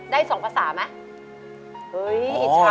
ได้สองภาษาไหม